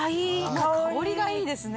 香りがいいですね。